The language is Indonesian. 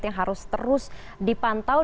yang harus terus dipantau